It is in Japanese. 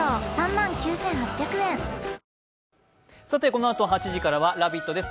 このあと８時からは「ラヴィット！」です。